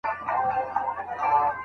ډاکټر به زموږ پاڼه وړاندي کړي.